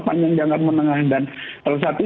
panjang jangka menengah dan salah satu